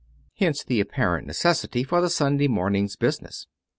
Hence the apparent necessity for the Sunday morning's business.